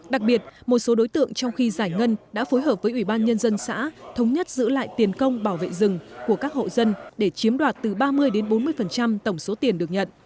đặc biệt một số đối tượng trong khi giải ngân đã phối hợp với ủy ban nhân dân xã thống nhất giữ lại tiền công bảo vệ rừng của các hộ dân để chiếm đoạt từ ba mươi đến bốn mươi tổng số tiền được nhận